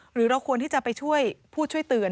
หรือเราควรที่จะไปช่วยพูดช่วยเตือน